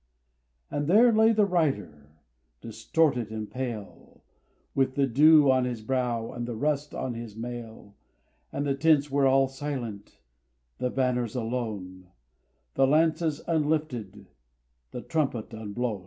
And there lay the rider distorted and pale, With the dew on his brow, and the rust on his mail; And the tents were all silent, the banners alone, The lances unlifted, the trumpet unblown.